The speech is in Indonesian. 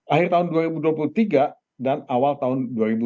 akhir tahun dua ribu dua puluh tiga dan awal tahun dua ribu dua puluh